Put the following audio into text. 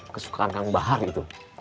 kesukaan kang bahar itu